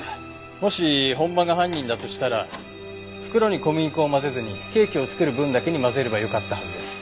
もし本間が犯人だとしたら袋に小麦粉を混ぜずにケーキを作る分だけに混ぜればよかったはずです。